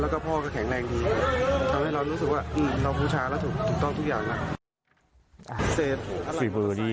แล้วก็พ่อก็แข็งแรงดีทำให้เรารู้สึกว่าเราบูชาแล้วถูกต้องทุกอย่างนะ